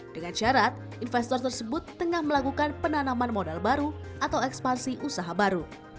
dengan syarat investor tersebut tengah melakukan penanaman modal baru atau ekspansi usaha baru